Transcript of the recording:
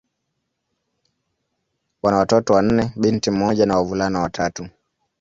Wana watoto wanne: binti mmoja na wavulana watatu.